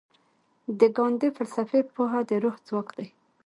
د ګاندي فلسفي پوهه د روح ځواک دی.